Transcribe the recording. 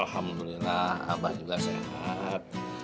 alhamdulillah abah juga sehat